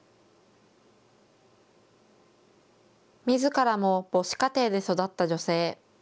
みずからも母子家庭で育った女性。